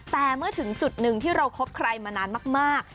แต่เมื่อถึงจุดหนึ่งที่เราคบใครมานานมาก